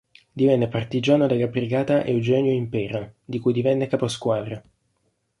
Divenne partigiano nella Brigata Eugenio Impera, di cui divenne caposquadra.